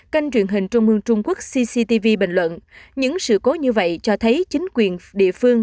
kênh truyền hình trung mương trung quốc cctv bình luận những sự cố như vậy cho thấy chính quyền địa phương